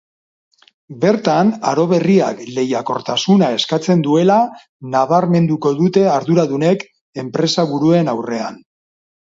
Bertan, aro berriak lehiakortasuna eskatzen duela nabarmenduko dute arduradunek enpresa buruen aurrean.